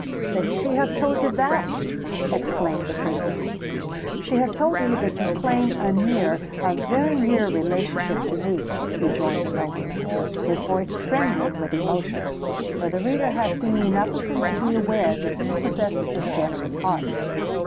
then she has told you that!" exclaimed the prisoner. "She has told me that you claim a near—a very near relationship to me," rejoined the nobleman, his voice trembling with emotion—for the reader has seen enough of him to be aware that he possessed a generous heart.